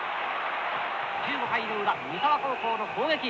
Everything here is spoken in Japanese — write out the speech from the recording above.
１５回の裏三沢高校の攻撃。